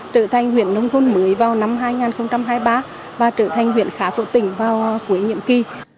trở thành huyện nông thôn mới vào năm hai nghìn hai mươi ba và trở thành huyện khá của tỉnh vào cuối nhiệm kỳ